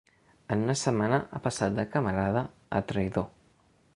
En una setmana ha passat de camarada a traïdor.